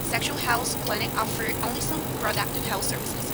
Sexual health clinics offer only some reproductive health services.